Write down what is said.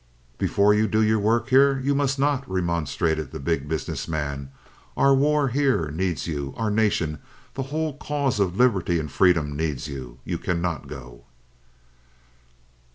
"Before you do your work here? You must not," remonstrated the Big Business Man. "Our war here needs you, our nation, the whole cause of liberty and freedom needs you. You cannot go."